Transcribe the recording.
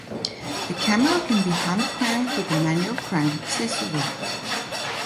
The camera can be hand-cranked with a manual crank accessory.